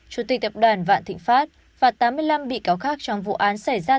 chủ tịch tập đoàn vạn thịnh pháp và tám mươi năm bị cáo khác trong vụ án xảy ra